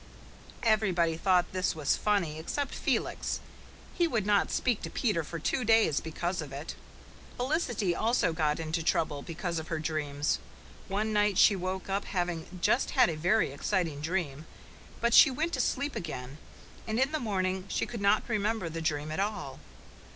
Everybody thought this was funny, except Felix. He would not speak to Peter for two days because of it. Felicity also got into trouble because of her dreams. One night she woke up, having just had a very exciting dream; but she went to sleep again, and in the morning she could not remember the dream at all.